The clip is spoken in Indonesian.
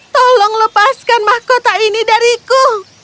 tolong lepaskan mahkota ini dariku